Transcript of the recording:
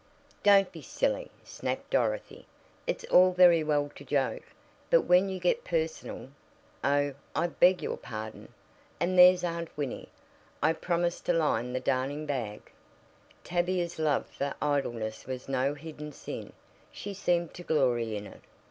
"Don't be silly!" snapped Dorothy. "It's all very well to joke, but when you get personal " "Oh, I beg your pardon! And there's Aunt Winnie. I promised to line the darning bag " Tavia's love for idleness was no hidden sin she seemed to glory in it.